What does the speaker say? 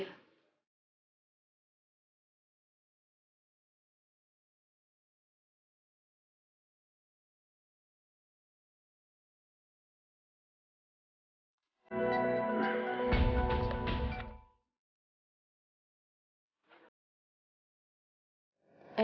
tungguin aku nanti